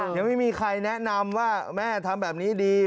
ยังไม่มีใครแนะนำว่าแม่ทำแบบนี้ดี